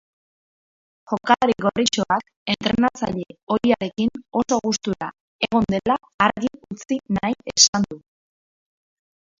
Jokalari gorritxoak entrenatzaile ohiarekin oso gustura egon dela argi utzi nahi esan du.